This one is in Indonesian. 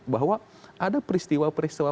bahwa ada peristiwa peristiwa